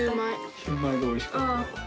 シューマイおいしかった？